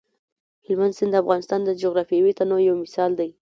هلمند سیند د افغانستان د جغرافیوي تنوع یو مثال دی.